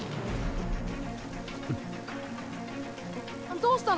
どうしたの？